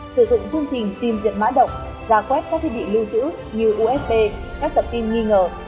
sử dụng chương trình tìm diện mã động ra quét các thiết bị lưu trữ như usb các tập tin nghi ngờ